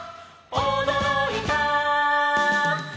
おどろいた」